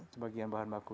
sebagian bahan baku